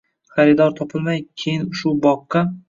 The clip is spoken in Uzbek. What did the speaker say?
Xaridor topilmay, keyin shu boqqa